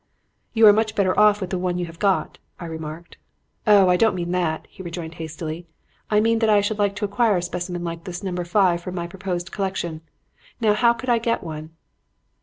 "'You are much better off with the one you have got,' I remarked. "'Oh, I don't mean that,' he rejoined hastily. 'I mean that I should like to acquire a specimen like this Number Five for my proposed collection. Now how could I get one?'